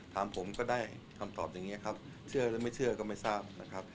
ผมก็ได้คำตอบอย่างนี้ครับเชื่อหรือไม่เชื่อก็ไม่ทราบนะครับ